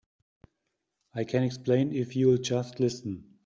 I can explain if you'll just listen.